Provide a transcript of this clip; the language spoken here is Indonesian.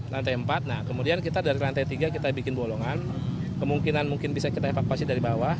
lantai empat nah kemudian kita dari lantai tiga kita bikin bolongan kemungkinan mungkin bisa kita evakuasi dari bawah